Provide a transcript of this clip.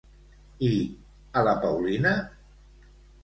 I a la Paulina?